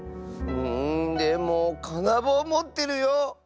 うんでもかなぼうもってるよ。